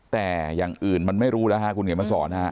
แต่อย่างอื่นมันไม่รู้แล้วฮะคุณเขียนมาสอนฮะ